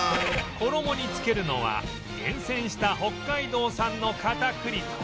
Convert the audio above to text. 衣に付けるのは厳選した北海道産の片栗粉